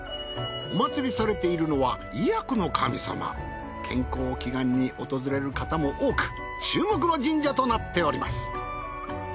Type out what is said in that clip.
お祀りされているのは健康祈願に訪れる方も多く注目の神社となっております。